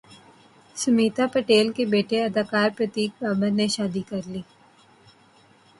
سمیتا پاٹیل کے بیٹے اداکار پرتیک ببر نے شادی کرلی